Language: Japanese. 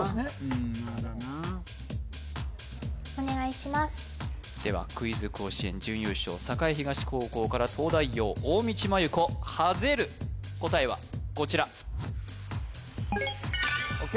うんお願いしますではクイズ甲子園準優勝栄東高校から東大王大道麻優子はぜる答えはこちらＯＫ